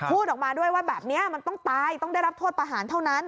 พูดออกมาด้วยว่าแบบนี้มันต้องตายต้องได้รับโทษประหารเท่านั้น